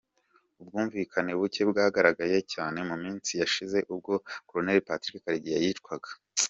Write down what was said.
Ubwumvikane buke bwagaragaye cyane mu minsi yashize ubwo Colonel Patrick Karegeya yicwaga.